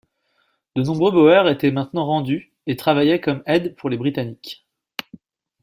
De nombreux Boers s'étaient maintenant rendus et travaillaient comme aides pour les Britanniques.